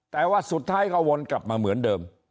แต่ว่าสุดท้ายก็วนกลับมาเหมือนเดิม